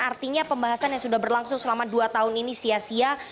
artinya pembahasan yang sudah berlangsung selama dua tahun ini sia sia